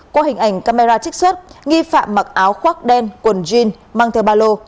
qua hình ảnh camera trích xuất nghi phạm mặc áo khoác đen quần jean mang theo ba lô